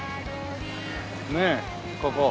ねえここ。